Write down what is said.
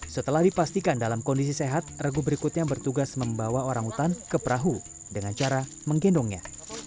setelah dipastikan dalam kondisi sehat regu berikutnya bertugas membawa orang utan ke perahu dengan cara menggendongnya